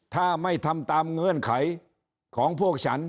ถ้าไม่ทำตามเงื่อนไขของพวกฉัน